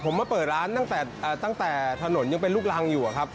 ผมมาเปิดร้านตั้งแต่ถนนยังเป็นลูกรังอยู่ครับ